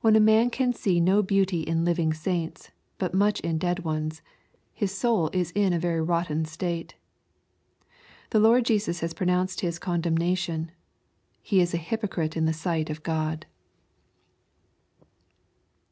When a man can see no beauty in living saints, but much in dead ones, his soul is in a very rotten state. The Lord Jesus has pronounced his condemnation. He b a hypocrite in the sight of God.